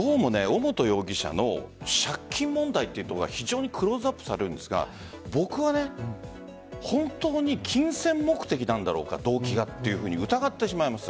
尾本容疑者の借金問題というところが非常にクローズアップされるんですが僕は本当に金銭目的なんだろうか動機がというふうに疑ってしまいます。